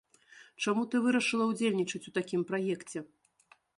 Чаму ты вырашыла ўдзельнічаць у такім праекце?